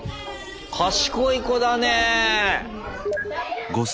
賢い子だね。